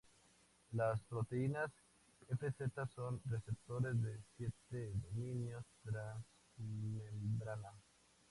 Las proteínas Fz son receptores de siete dominios transmembrana.